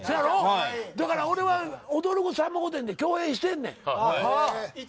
俺は踊るさんま御殿で共演してんねん。